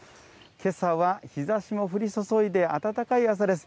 けさは日ざしも降り注いで、暖かい朝です。